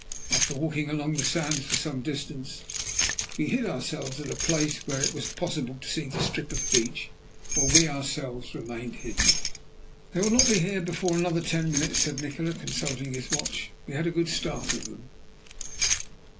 After walking along the sands for some distance, we hid ourselves at a place where it was possible to see the strip of beach, while we ourselves remained hidden. "They will not be here before another ten minutes," said Nikola, consulting his watch; "we had a good start of them."